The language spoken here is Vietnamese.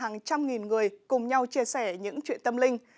hàng trăm nghìn người cùng nhau chia sẻ những chuyện tâm linh